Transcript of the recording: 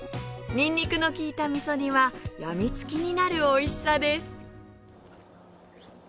にんにくの利いた味噌煮は病み付きになるおいしさです